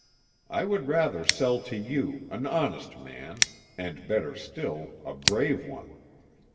I would rather sell to you, an honest man, and better still, a brave one.